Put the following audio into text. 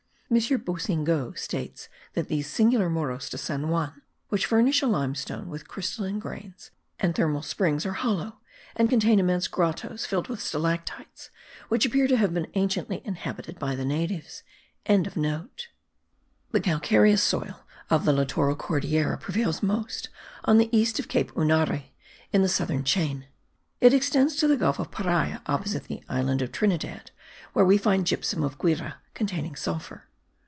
M. Boussingault states that these singular Morros de San Juan, which furnish a limestone with crystalline grains, and thermal springs, are hollow, and contain immense grottos filled with stalactites, which appear to have been anciently inhabited by the natives.) The calcareous soil of the littoral Cordillera prevails most on the east of Cape Unare, in the southern chain; it extends to the gulf of Paria, opposite the island of Trinidad, where we find gypsum of Guire, containing sulphur.